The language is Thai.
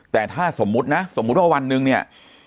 แต่ถ้าสมมุตินะสมมุติว่าวันหนึ่งเนี่ย